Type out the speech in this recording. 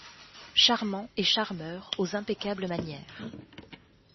charmant et charmeur aux impeccables manières.